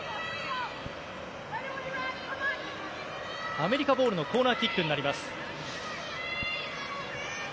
アメリカボールのコーナーキックになります。